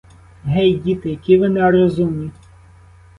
Гей, діти, які ви нерозумні.